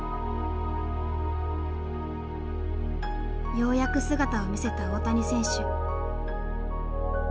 ようやく姿を見せた大谷選手。